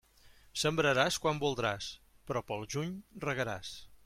Sembraràs quan voldràs, però pel juny regaràs.